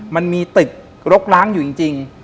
มันมีตึกรกล้างอยู่จริง